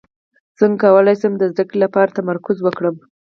څنګه کولی شم د زده کړې لپاره تمرکز وکړم